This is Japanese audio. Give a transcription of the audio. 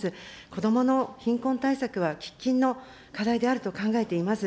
子どもの貧困対策は喫緊の課題であると考えています。